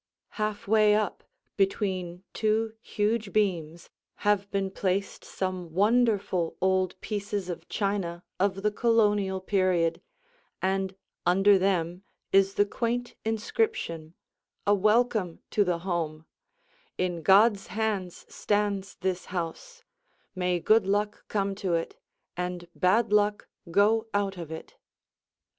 Half way up between two huge beams have been placed some wonderful old pieces of china of the Colonial period, and under them is the quaint inscription, a welcome to the home, "In God's hands stands this house, may good luck come to it and bad luck go out of it."